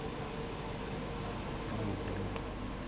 بحساب من گذاشت